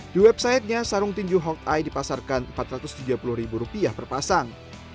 di websitenya sarung tinju hawkeye dipasarkan empat ratus tiga puluh ribu rupiah per pasang